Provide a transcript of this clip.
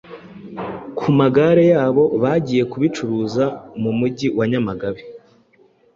ku magare yabo bagiye kubicuruza mu mujyi wa Nyamagabe